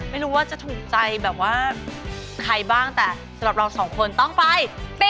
ไม่รู้ว่าจะถูกใจแบบว่าใครบ้างแต่สำหรับเราสองคนต้องไป